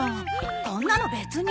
こんなの別に。